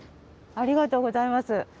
ありがとうございます。